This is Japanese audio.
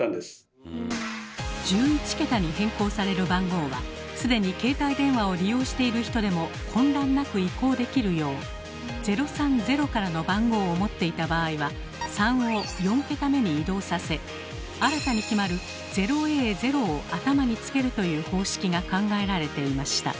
１１桁に変更される番号は既に携帯電話を利用している人でも混乱なく移行できるよう「０３０」からの番号を持っていた場合は「３」を４桁目に移動させ新たに決まる「０ａ０」を頭につけるという方式が考えられていました。